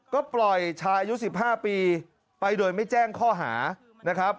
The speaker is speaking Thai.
ก็ปล่อยชายอายุ๑๕ปีไปโดยไม่แจ้งข้อหานะครับ